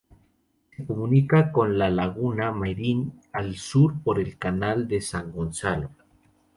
Se comunica con la laguna Merín, al sur, por el canal de San Gonzalo.